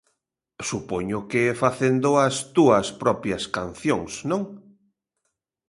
Supoño que facendo as túas propias cancións, non?